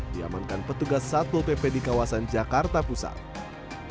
diamankan petugas satpol pp di kawasan jakarta pusat